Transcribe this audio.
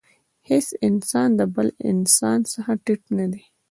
هېڅ انسان له بل انسان څخه ټیټ نه دی.